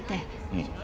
うん。